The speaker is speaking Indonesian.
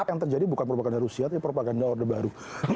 yang terjadi bukan propaganda rusia tapi propaganda orde baru